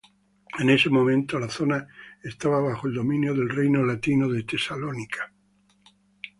En ese momento, la zona estaba bajo el dominio del Reino latino de Tesalónica.